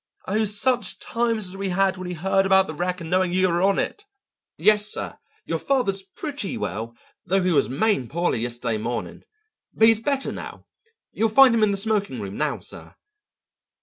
Oh, such times as we had when we heard about the wreck and knowing you were on it! Yes, sir, your father's pretty well, though he was main poorly yesterday morning. But he's better now. You'll find him in the smoking room now, sir."